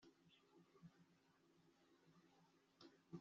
abategereje impande zoseabicanyi bahawe akazi